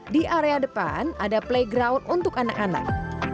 di area depan ada playground untuk anak anak